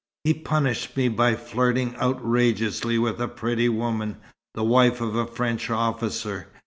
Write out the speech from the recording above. He punished me by flirting outrageously with a pretty woman, the wife of a French officer.